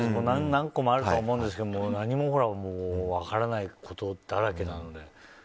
何個もあるとは思うんですけど何も分からないことだらけなので。